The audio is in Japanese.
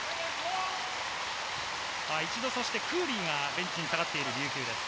一度、クーリーがベンチに下がっている琉球です。